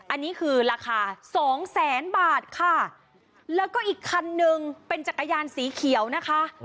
อันนี้คือราคาสองแสนบาทค่ะแล้วก็อีกคันนึงเป็นจักรยานสีเขียวนะคะ